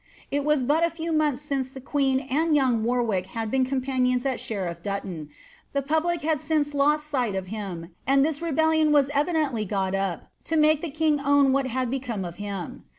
It was but a few months since the queen and young Warwick had been companions at Sheriff Dutton ; the public had since lost sight of him, and this rebellion was evidently got up to make the king own what had become of him.